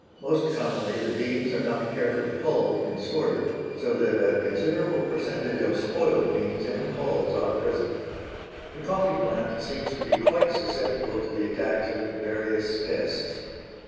Most commonly the beans are not carefully hulled and sorted so that a considerable percentage of spoiled beans and hulls are present. The coffee plant seems to be quite susceptible to the attacks of various pests.